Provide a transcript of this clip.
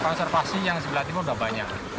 konservasi yang sebelah timur sudah banyak